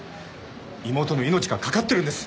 妹の命が懸かってるんです。